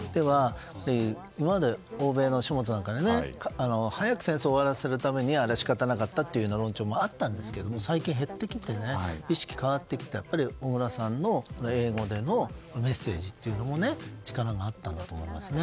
今まで、欧米の書物なんかでは早く戦争を終わらせるためにはあれは仕方なかったという論調もあったんですけども最近、減ってきて意識が変わってきてやっぱり小倉さんの英語でのメッセージというのも力があったんだと思いますね。